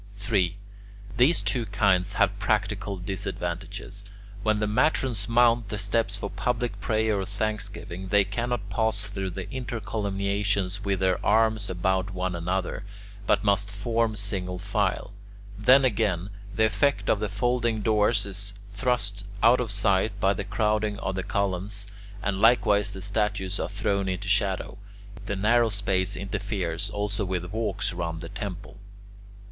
3. These two kinds have practical disadvantages. When the matrons mount the steps for public prayer or thanksgiving, they cannot pass through the intercolumniations with their arms about one another, but must form single file; then again, the effect of the folding doors is thrust out of sight by the crowding of the columns, and likewise the statues are thrown into shadow; the narrow space interferes also with walks round the temple.